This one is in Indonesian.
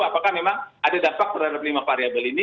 apakah memang ada dampak terhadap lima variable ini